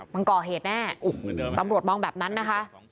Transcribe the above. มันก่อเหตุแน่ตำรวจมองแบบนั้นนะคะ